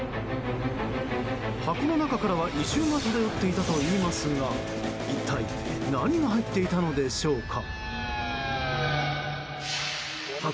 箱の中からは異臭が漂っていたといいますが一体、何が入っていたのでしょうか。